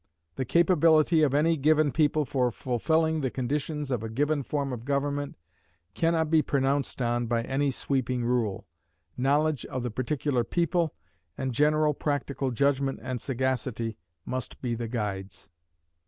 The capability of any given people for fulfilling the conditions of a given form of government can not be pronounced on by any sweeping rule. Knowledge of the particular people, and general practical judgment and sagacity, must be the guides.